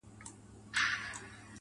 قسم کومه په اودس راپسې وبه ژاړې_